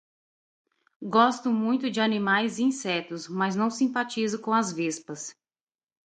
Gosto muito de animais e insetos, mas não simpatizo com as vespas.